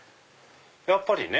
やっぱりね！